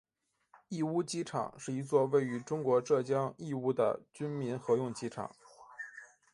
义乌机场是一座位于中国浙江义乌的军民合用机场。